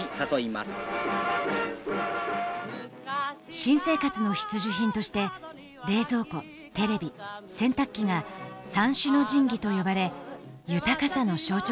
新生活の必需品として冷蔵庫テレビ洗濯機が「三種の神器」と呼ばれ豊かさの象徴でもあった。